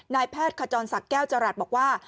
นายแพทย์ขจรศักดิ์แก้วจรัสบอกว่า